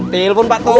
telepon pak tung